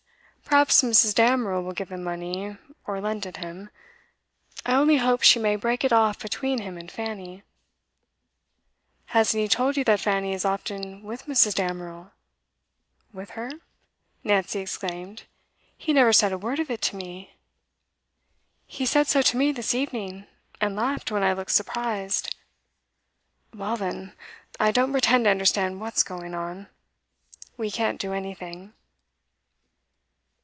Perhaps Mrs. Damerel will give him money, or lend it him. I only hope she may break it off between him and Fanny.' 'Hasn't he told you that Fanny is often with Mrs. Damerel?' 'With her?' Nancy exclaimed. 'He never said a word of it to me.' 'He said so to me this evening, and laughed when I looked surprised.' 'Well then, I don't pretend to understand what's going on. We can't do anything.